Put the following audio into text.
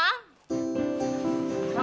eh kok aku ditinggal